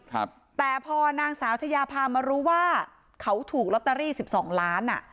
ครับแต่พอนางสาวชายาพามารู้ว่าเขาถูกลอตเตอรี่สิบสองล้านอ่ะ